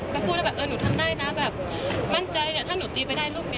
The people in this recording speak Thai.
แบบพูดเอาหนูทำได้แบบมั่นใจเนี่ยถ้าหนูตีไปได้รูปนี้